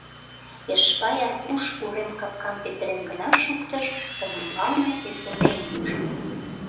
Эшпай Аркуш урем капкам петырен гына шуктыш, олымбалне Эсенейым ужо.